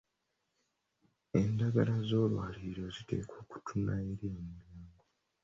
Endagala z'olwaliiro ziteekwa kutunula eri omulyango.